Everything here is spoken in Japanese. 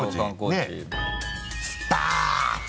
スターツ！